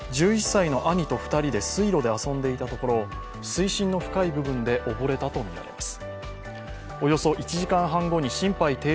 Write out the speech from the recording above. １１歳の兄と２人で水路で遊んでいたところ水深の深い部分で溺れたとみられます。